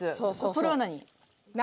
それは何？